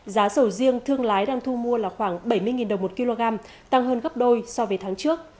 giá sầu riêng thương lái đang thu mua là khoảng bảy mươi đồng một kg tăng hơn gấp đôi so với tháng trước